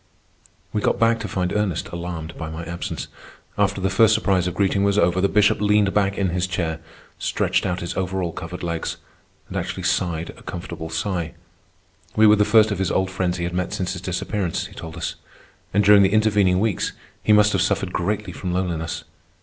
We got back to find Ernest alarmed by my absence. After the first surprise of greeting was over, the Bishop leaned back in his chair, stretched out his overall covered legs, and actually sighed a comfortable sigh. We were the first of his old friends he had met since his disappearance, he told us; and during the intervening weeks he must have suffered greatly from loneliness.